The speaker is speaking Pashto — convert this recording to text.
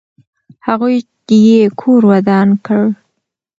هغوی یې کور ودان کړ.